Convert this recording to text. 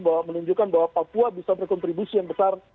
dan ini menunjukkan bahwa papua bisa berkontribusi yang besar